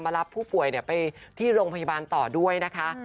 รับผู้ป่วยไปที่โรงพยาบาลต่อด้วยนะคะ